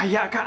nomor apa sih